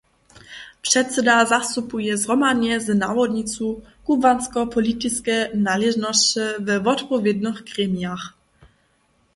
Předsyda zastupuje zhromadnje z nawodnicu kubłansko-politiske naležnosće we wotpowědnych gremijach.